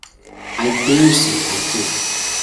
I dare say I do.